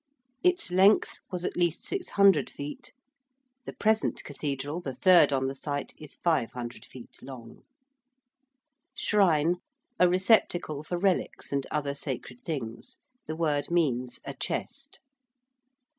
~its length was at least 600 feet~: the present cathedral, the third on the site, is 500 feet long. ~shrine~: a receptacle for relics and other sacred things. (The word means a 'chest.')